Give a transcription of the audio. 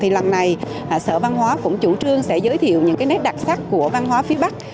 lần này sở văn hóa cũng chủ trương sẽ giới thiệu những nét đặc sắc của văn hóa phía bắc